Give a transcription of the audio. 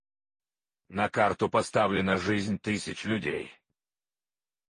На карту поставлена жизнь тысяч людей.